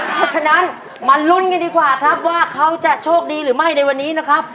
เพราะฉะนั้นมาลุ้นกันดีกว่าครับว่าเขาจะโชคดีหรือไม่ในวันนี้นะครับ